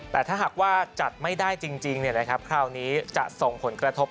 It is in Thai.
แต่ถ้าหากว่าจัดไม่ได้จริงคราวนี้จะส่งผลกระทบ